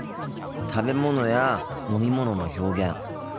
食べ物や飲み物の表現